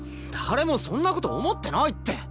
誰もそんな事思ってないって。